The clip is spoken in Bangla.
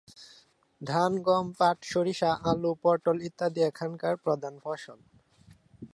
ধান, গম, পাট, সরিষা, আলু, পটল ইত্যাদি এখানকার প্রধান ফসল।